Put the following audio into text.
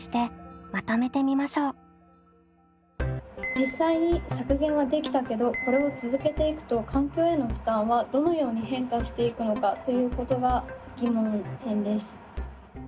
実際に削減はできたけどこれを続けていくと環境への負担はどのように変化していくのかということが疑問点です。